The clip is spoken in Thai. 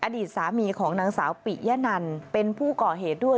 อดีตสามีของนางสาวปิยะนันเป็นผู้ก่อเหตุด้วย